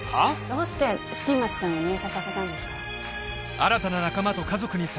どうして新町さんを入社させたんですか？